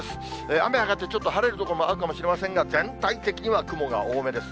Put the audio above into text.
雨上がってちょっと晴れる所もあるかもしれませんが、全体的には雲が多めです。